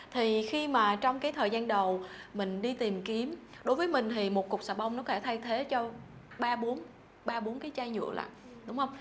thì khi mà trong cái thời gian đầu mình đi tìm kiếm đối với mình thì một cục sà bông nó phải thay thế cho ba bốn cái chai nhựa lại đúng không